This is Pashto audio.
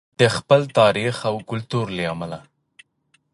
د خپل تاریخ او کلتور له امله.